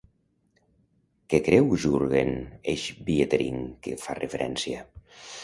Què creu Jurgen Schwietering que fa referència?